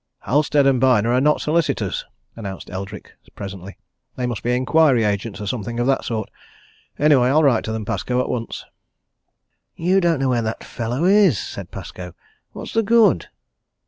"Halstead & Byner are not solicitors," announced Eldrick presently. "They must be inquiry agents or something of that sort. Anyway, I'll write to them, Pascoe, at once." "You don't know where the fellow is," said Pascoe. "What's the good?"